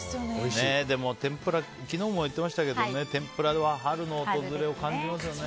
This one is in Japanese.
でも、昨日もやっていましたけど天ぷらは春の訪れを感じますよね。